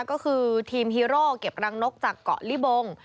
ก็คือทีมฮีโร่เก็บรังนกจากเกาะลิบง